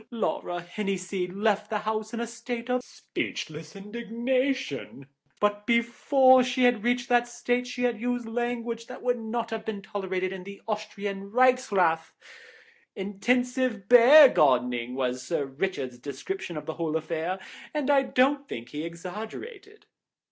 Laura Henniseed left the house in a state of speechless indignation, but before she had reached that state she had used language that would not have been tolerated in the Austrian Reichsrath. Intensive bear gardening was Sir Richard's description of the whole affair, and I don't think he exaggerated."